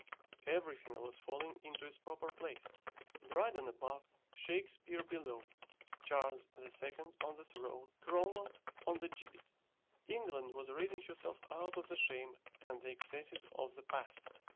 _" Everything was falling into its proper place: Dryden above, Shakespeare below; Charles II. on the throne, Cromwell on the gibbet. England was raising herself out of the shame and the excesses of the past.